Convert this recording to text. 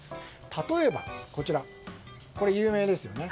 例えば有名ですね